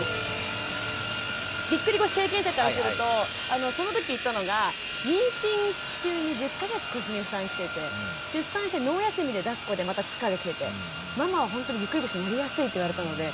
ぎっくり腰経験者からするとその時言ったのが妊娠中に１０か月腰に負担きてて出産してノー休みでだっこでまた負荷がきててママはほんとにぎっくり腰になりやすいって言われたので。